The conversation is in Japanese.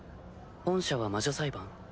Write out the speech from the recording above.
本社は魔女裁判？